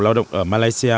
lao động ở malaysia